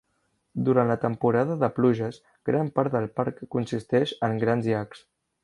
Durant la temporada de pluges, gran part del parc consisteix en grans llacs.